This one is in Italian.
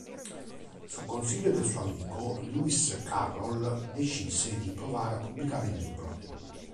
Su consiglio del suo amico, Lewis Carroll decise di provare a pubblicare il libro.